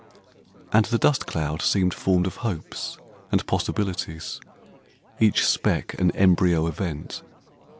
And the dust cloud seemed formed of hopes and possibilities—each speck an embryo event.